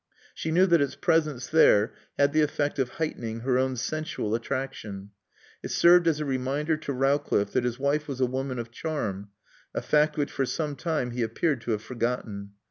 She knew that its presence there had the effect of heightening her own sensual attraction. It served as a reminder to Rowcliffe that his wife was a woman of charm, a fact which for some time he appeared to have forgotten.